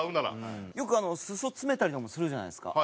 よく裾詰めたりとかもするじゃないですか。